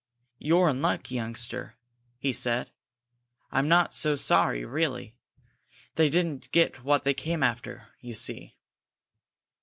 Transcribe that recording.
"You're in luck, youngster," he said. "I'm not so sorry, really! They didn't get what they came after, you see."